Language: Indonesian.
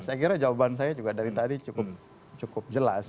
saya kira jawaban saya juga dari tadi cukup jelas